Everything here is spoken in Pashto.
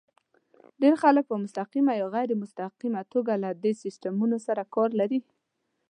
ډېر خلک په مستقیمه یا غیر مستقیمه توګه له دې سیسټمونو سره کار لري.